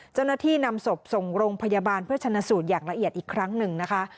เจ้าหน้าที่นำศพส่งโรงพยาบาลเพื่อชนะสูตรอย่างละเอียดอีกครั้งหนึ่งนะคะ